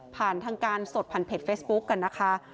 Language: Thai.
ผ่านทางการสดผ่านเพจเฟซบุ๊คกันนะคะ